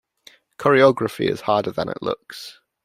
Choreography is harder than it looks.